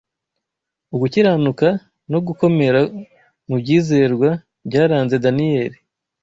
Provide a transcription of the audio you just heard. ugukiranuka no gukomera mu byizerwa byaranze Daniyeli